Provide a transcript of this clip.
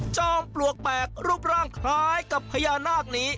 ปลวกแปลกรูปร่างคล้ายกับพญานาคนี้